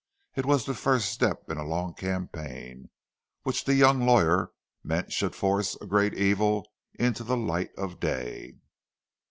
It was the first step in a long campaign, which the young lawyer meant should force a great evil into the light of day.